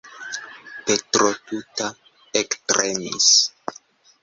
Petro tuta ektremis.